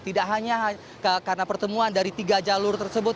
tidak hanya karena pertemuan dari tiga jalur tersebut